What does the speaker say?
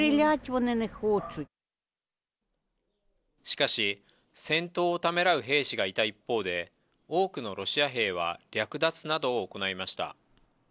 しかし、戦闘をためらう兵士がいた一方で、多くのロシア兵は略奪などを行いました。